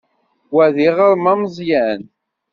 Wa d iɣrem ameẓyan.